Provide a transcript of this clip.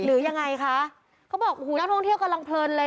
หรือยังไงคะเขาบอกโอ้โหนักท่องเที่ยวกำลังเพลินเลย